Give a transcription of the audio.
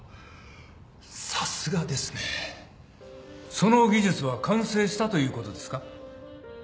その技術は完成したということですか？